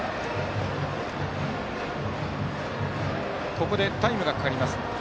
ここでタイムがかかります。